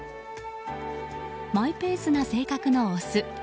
マイペースな性格のオス。